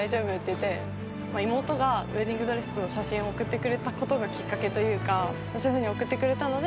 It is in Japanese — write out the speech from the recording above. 妹がウエディングドレスの写真を送ってくれたことがきっかけというか。